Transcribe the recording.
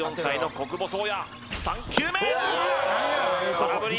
空振り